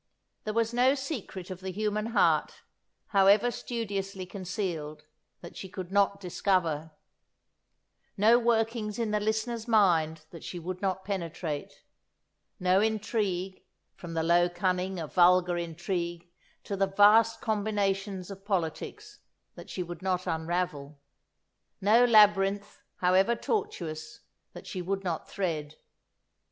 There was no secret of the human heart, however studiously concealed, that she could not discover; no workings in the listener's mind that she would not penetrate; no intrigue, from the low cunning of vulgar intrigue to the vast combinations of politics, that she would not unravel; no labyrinth, however tortuous, that she would not thread.